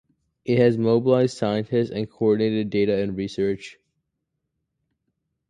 It has mobilized scientists and coordinated data and research.